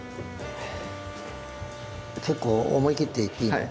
結構思い切っていいの？